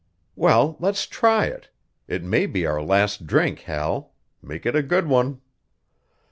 "Well, let's try it. It may be our last drink, Hal; make it a good one."